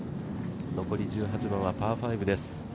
残り１８番はパー５です。